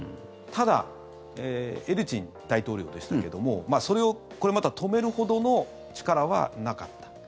ただエリツィン大統領でしたけどもそれを、これまた止めるほどの力はなかった。